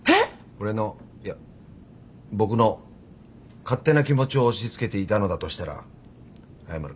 俺のいや僕の勝手な気持ちを押し付けていたのだとしたら謝る。